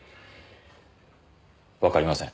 わかりません。